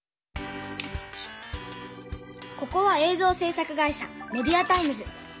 ここは映像せい作会社メディアタイムズ。